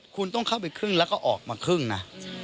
คุณต้องเข้าไปครึ่งแล้วก็ออกมาครึ่งนะ